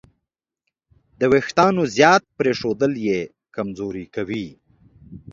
د وېښتیانو زیات پرېښودل یې کمزوري کوي.